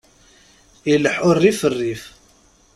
Ileḥḥu rrif rrif!